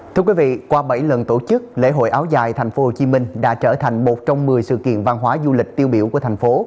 thưa quý vị qua bảy lần tổ chức lễ hội áo dài tp hcm đã trở thành một trong một mươi sự kiện văn hóa du lịch tiêu biểu của thành phố